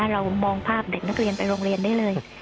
เรามองภาพเด็กนักเรียนไปโรงเรียนได้เลย